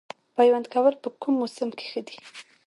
پیوند کول په کوم موسم کې ښه دي؟